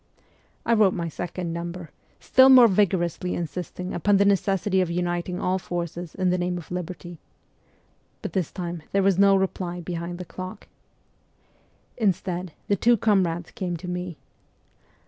I wrote my second number, still more vigorously insisting upon the necessity of uniting all forces in the name of liberty. But this time there was no reply behind the clock. Instead the two comrades came to me.